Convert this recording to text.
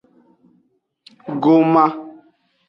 Goma.